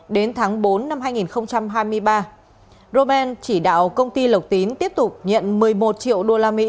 đến tháng bốn năm hai nghìn hai mươi ba roman chỉ đạo công ty lộc tín tiếp tục nhận một mươi một triệu usd